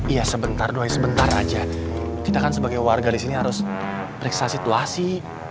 iya sebentar doa sebentar aja kita kan sebagai warga disini harus periksa situasi